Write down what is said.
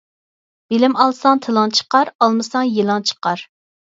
بىلىم ئالساڭ تىلىڭ چىقار، ئالمىساڭ يېلىڭ چىقار.